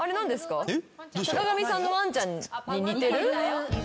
坂上さんのワンちゃんに似てる。